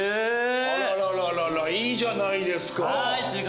あらららいいじゃないですか。